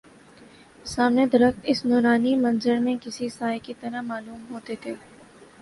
سامنے درخت اس نورانی منظر میں کسی سائے کی طرح معلوم ہوتے تھے